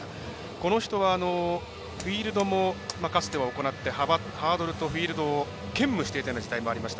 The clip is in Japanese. この人はフィールドもかつては行って、フィールドとを兼務していたような時代がありました。